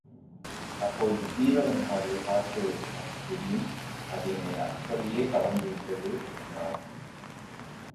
அப்பொழுது சீவகன் பாடிய பாட்டு எனக்குத் தெரியும் அது என்னை அப்படியே கவர்ந்து விட்டது என்றான்.